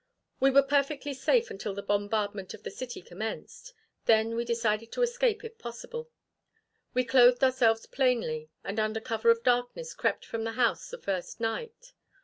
"We were perfectly safe until the bombardment of the city commenced. Then we decided to escape, if possible. We clothed ourselves plainly, and under cover of darkness crept from the house the first night.